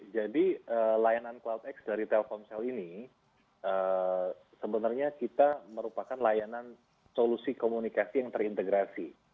jadi layanan cloudx dari telkomsel ini sebenarnya kita merupakan layanan solusi komunikasi yang terintegrasi